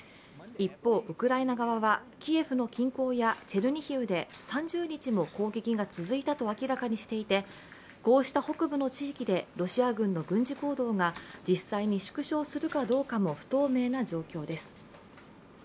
一方、ウクライナ側はキエフの近郊やチェルニヒウで３０日も攻撃が続いたと明らかにしていてこうした北部の地域でロシア軍の軍事行動が実際に縮小するかも不透明な状況です。